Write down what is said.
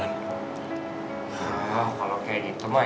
kalau kayak gitu mah